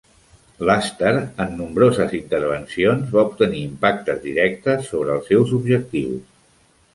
L'Aster, en nombroses intervencions, va obtenir impactes directes sobre els seus objectius.